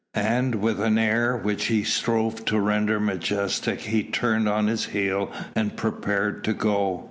And with an air which he strove to render majestic he turned on his heel and prepared to go.